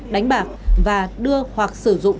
đánh bạc và đưa hoặc sử dụng